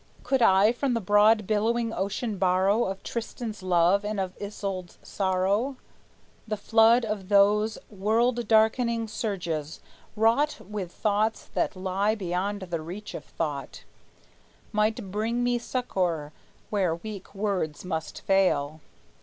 Could I from the broad billowing ocean borrow Of Tristan's love and of Isolde's sorrow, The flood of those world darkening surges, wrought With thoughts that lie beyond the reach of thought, Might bring me succor where weak words must fail.